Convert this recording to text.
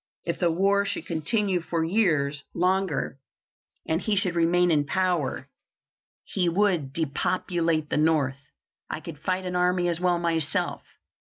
If the war should continue four years longer, and he should remain in power, he would depopulate the North. I could fight an army as well myself.